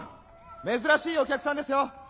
珍しいお客さんですよ！